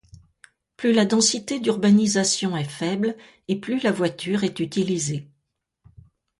Plus la densité d'urbanisation est faible et plus la voiture est utilisée.